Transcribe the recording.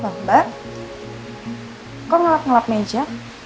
bapak kok ngelap ngelap meja